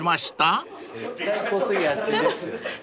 絶対小杉あっちですよ。